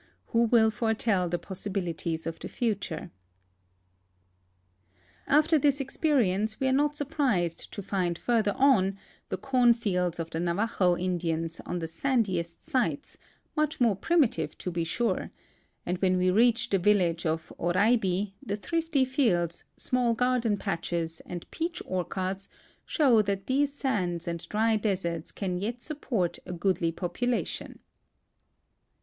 Who will foretell the possibilities of the future? After this experience we are not surprised to find further on the cornfields of the Navajo Indians on the sandiest sites, much more primitive, to be sure, and w^hen we reach the village of Oraibi the thrifty fields, small garden patches, and peach orchards show that these sands and dry deserts can yet support a goodly population.